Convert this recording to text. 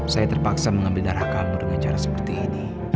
saya terpaksa mengambil darah kamu dengan cara seperti ini